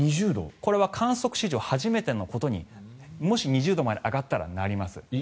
これは観測史上初めてのことにもし２０度まで上がったらなります。